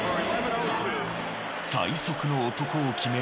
最速の男を決める戦い